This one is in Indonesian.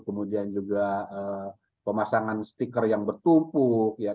kemudian juga pemasangan stiker yang bertumpuk